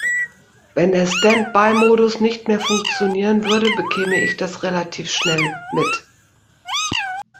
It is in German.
Wenn der Standby-Modus nicht mehr funktionieren würde, bekäme ich das relativ schnell mit.